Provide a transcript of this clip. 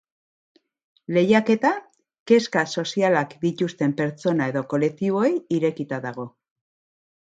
Lehiaketa kezka sozialak dituzten pertsona edo kolektiboei irekita dago.